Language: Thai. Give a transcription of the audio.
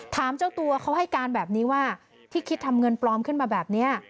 ถามเจ้าตัวเขาให้การแบบนี้ว่าที่คิดทำเงินปลอมขึ้นมาแบบนี้